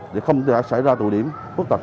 để không xảy ra tội điểm bất tật